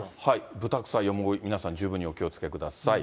ブタクサ、ヨモギ、皆さん、十分にお気をつけください。